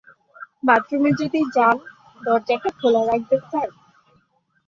বাথরুমে যদি যান দরজাটা খোলা রাখবেন স্যার!